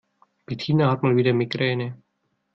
Bettina hat mal wieder Migräne.